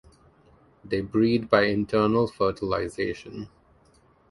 They breed by internal fertilization.